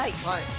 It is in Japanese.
はい！